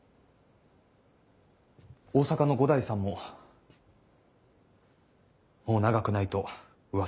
大阪の五代さんももう長くないとうわさがあります。